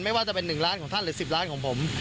ไม่ว่าจะเป็น๑ล้านของท่านหรือ๑๐ล้านของผม